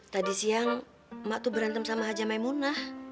tadi siang mak tuh berantem sama haja maimunah